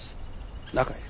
中へ。